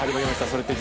「それって！？